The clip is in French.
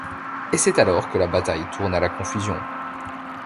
Et c'est alors que la bataille tourne à la confusion.